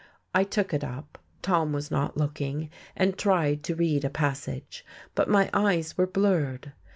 I took it up (Tom was not looking) and tried to read a passage, but my eyes were blurred.